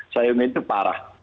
sayung itu parah